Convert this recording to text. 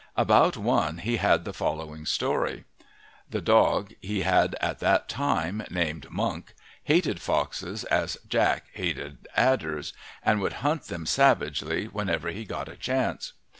About one he had the following story. The dog he had at that time, named Monk, hated foxes as Jack hated adders, and would hunt them savagely whenever he got a chance.